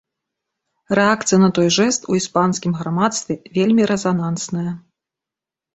Рэакцыя на той жэст у іспанскім грамадстве вельмі рэзанансная.